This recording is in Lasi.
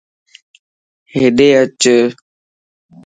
ھيڏي اچ